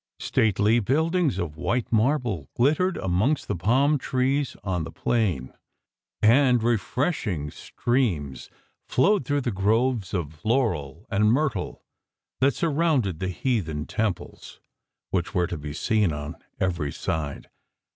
Stately buildings of white marble glittered amongst the palm trees on the plain, and refreshing sti'eams flowed through the groves of laurel and myrtle that surrounded the heathen temples which were to be seen on every side.